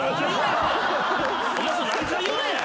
何回言うねん！